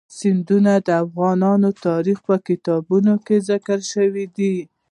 سیندونه د افغان تاریخ په کتابونو کې ذکر شوی دي.